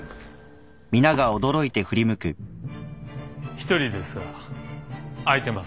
一人ですが空いてますか？